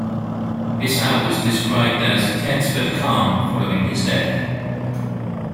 Bissau was described as "tense but calm" following his death.